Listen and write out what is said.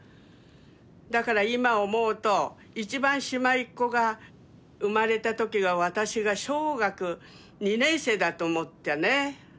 だから今思うと一番しまいっ子が生まれた時が私が小学２年生だと思ったね。